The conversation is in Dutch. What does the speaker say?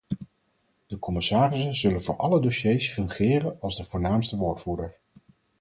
De commissarissen zullen voor alle dossiers fungeren als de voornaamste woordvoerder.